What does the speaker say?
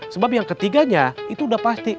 sebab yang ketiganya itu udah pasti